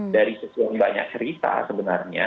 dari sesuatu yang banyak cerita sebenarnya